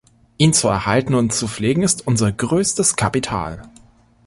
Ihn zu erhalten und zu pflegen ist unser größtes Kapital.